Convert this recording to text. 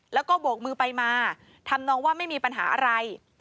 แล้วก็โบกมือไปมาทำนองว่าไม่มีปัญหาอะไร